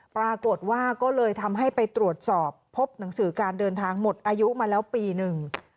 ปรากฏว่าก็เลยทำให้ไปตรวจสอบพบหนังสือการเดินทางหมดอายุมาแล้วปีหนึ่ง